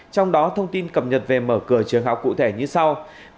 trong đó thông tin cập nhật về mở cửa trường học cụ thể như sau